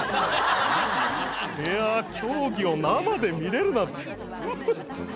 いや競技を生で見れるなんて。